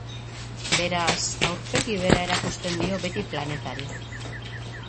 Beraz, aurpegi bera erakusten dio beti planetari.